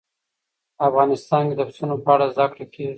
افغانستان کې د پسونو په اړه زده کړه کېږي.